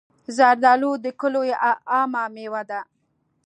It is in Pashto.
زردالو د کلیو عامه مېوه ده.